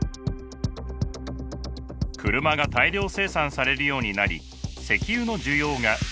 車が大量生産されるようになり石油の需要が増大しました。